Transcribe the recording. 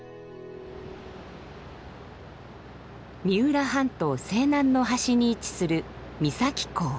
三浦半島西南の端に位置する三崎港。